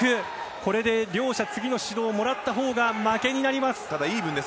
これで両者次の指導をもらった方が負けになります。